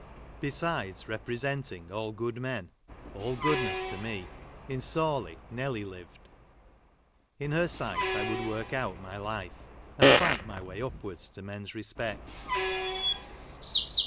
Besides, representing all good men, all goodness to me, in Sawley Nelly lived. In her sight I would work out my life, and fight my way upwards to men's respect.